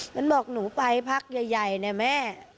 มันบอกหนูไปพักใหญ่นะแม่